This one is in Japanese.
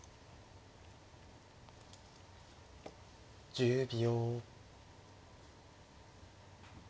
１０秒。